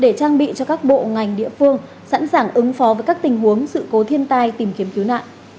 để trang bị cho các bộ ngành địa phương sẵn sàng ứng phó với các tình huống sự cố thiên tai tìm kiếm cứu nạn